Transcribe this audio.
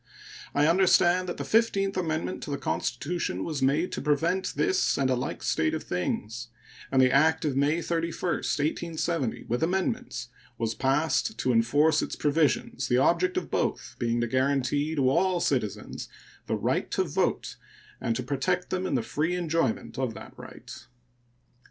I understand that the fifteenth amendment to the Constitution was made to prevent this and a like state of things, and the act of May 31, 1870, with amendments, was passed to enforce its provisions, the object of both being to guarantee to all citizens the right to vote and to protect them in the free enjoyment of that right.